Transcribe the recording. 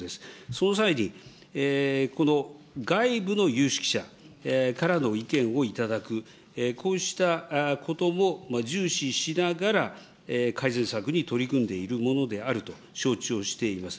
その際に、この外部の有識者からの意見を頂く、こうしたことも重視しながら、改善策に取り組んでいるものであると承知をしております。